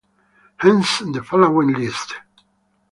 Hence the following list.